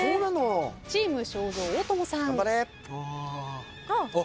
チーム正蔵大友さん。